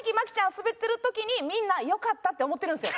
スベってる時にみんなよかったって思ってるんですよ。